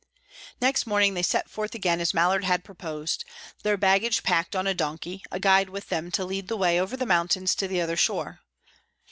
Next morning they set forth again as Mallard had proposed, their baggage packed on a donkey, a guide with them to lead the way over the mountains to the other shore.